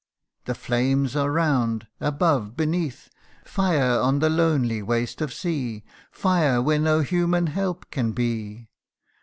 The flames are round, above, beneath ; Fire ! on the lonely waste of sea Fire ! where no human help can be